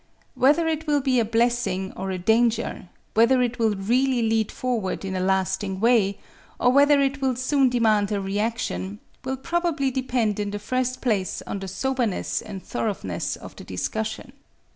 Whether it will be a blessing or a danger, whether it will really lead forward in a lasting way, or whether it will soon demand a reaction, will probably depend in the first place on the soberness and thoroughness of the discussion.